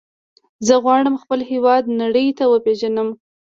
زه غواړم خپل هېواد نړۍ ته وپیژنم.